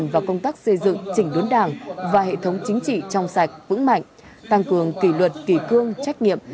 và hệ thống chính trị trong sạch vững mạnh tăng cường kỷ luật kỷ cương trách nghiệm